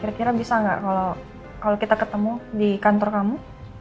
kira kira bisa nggak kalau kita ketemu di kantor kamu